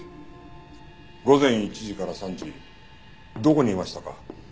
午前１時から３時どこにいましたか？